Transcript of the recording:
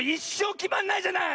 きまんないじゃない！